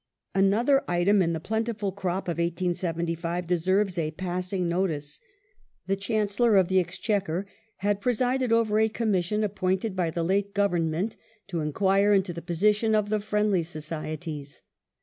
^ Another item in the plentiful crop of 1875 desei ves a passing Friendly notice. The Chancellor of the Exchequer had presided over a^°J*^'*^^ Commission appointed by the late Government to enquire into the position of the Friendly Societies.